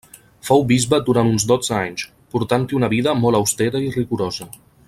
Fou bisbe durant uns dotze anys, portant-hi una vida molt austera i rigorosa.